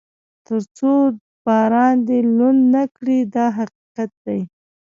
تر څو باران دې لوند نه کړي دا حقیقت دی.